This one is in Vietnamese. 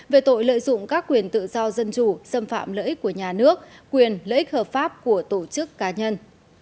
về tội lợi dụng các quyền tự do dân chủ xâm phạm lợi ích của nhà nước quyền lợi ích hợp pháp của tổ chức cá nhân